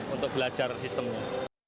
untuk belajar sistemnya